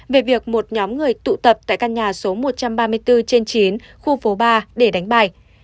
về việc một nhóm người tụ tập tại căn nhà số một trăm ba mươi bốn trên chín khu phố ba để đánh bài